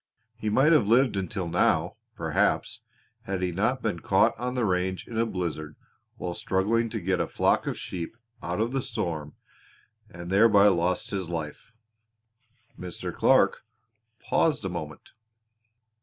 He might have lived until now, perhaps, had he not been caught on the range in a blizzard while struggling to get a flock of sheep out of the storm and thereby lost his life." Mr. Clark paused a moment.